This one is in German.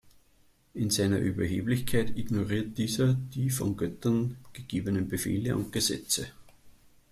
In seiner Überheblichkeit ignoriert dieser die von Göttern gegebenen Befehle und Gesetze.